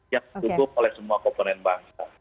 yang didukung oleh semua komponen bangsa